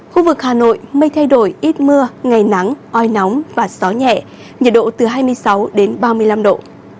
khu vực hà nội mây thay đổi ít mưa ngày nắng oi nóng và gió nhẹ nhiệt độ từ hai mươi sáu đến ba mươi năm độ